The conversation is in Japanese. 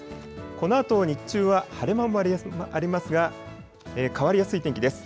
このあと日中は晴れ間もありますが変わりやすい天気です。